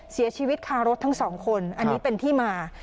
เสียชีวิตคารถทั้งสองคนอันนี้เป็นที่มา